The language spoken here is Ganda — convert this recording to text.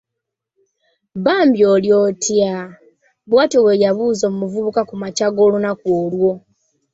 “Bambi oli otya? ”. Bw’atyo bwe yabuuza omuvubuka ku makya g’olunaku olwo.